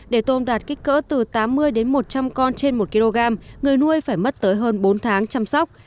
để tôm đạt kích cỡ từ tám mươi đến một trăm linh con trên một kg người nuôi phải mất tới hơn bốn tháng chăm sóc